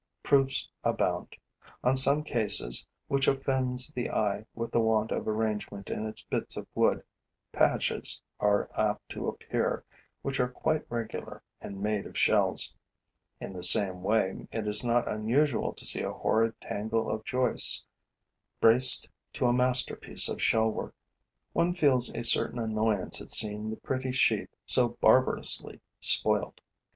Proofs abound. On some case which offends the eye with the want of arrangement in its bits of wood, patches are apt to appear which are quite regular and made of shells; in the same way, it is not unusual to see a horrid tangle of joists braced to a masterpiece of shell work. One feels a certain annoyance at seeing the pretty sheath so barbarously spoilt.